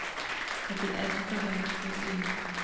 But the edge of the wedge was in.